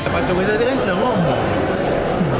pak jokowi tadi kan sudah ngomong